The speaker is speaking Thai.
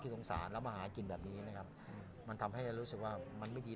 สงสารแล้วมาหากินแบบนี้นะครับมันทำให้รู้สึกว่ามันไม่ดี